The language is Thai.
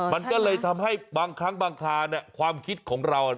มันก็เลยทำให้บางครั้งบางคราความคิดของเรา